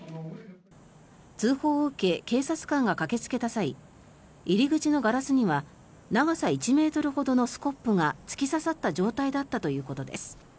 通報を受け警察官が駆けつけた際入り口のガラスには長さ１ｍほどのスコップが突き刺さった状態だったということです。